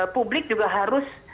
publik juga harus